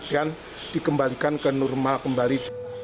dan dikembangkan ke normal kembali